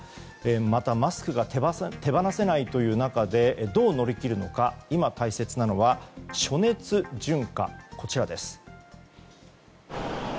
またマスクが手放せないという中でどう乗り切るのか今大切なのは暑熱順化です。